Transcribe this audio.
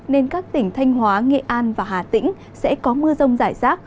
nên các tỉnh thanh hóa nghệ an và hà tĩnh sẽ có mưa rông rải rác